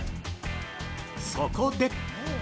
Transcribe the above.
そこで。